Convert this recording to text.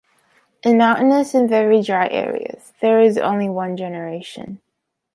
In mountainous and very dry areas, there is only one generation.